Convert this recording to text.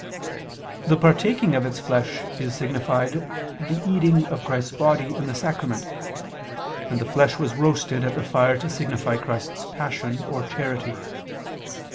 The partaking of its flesh signified the eating of Christ's body in the Sacrament; and the flesh was roasted at the fire to signify Christ's Passion or charity.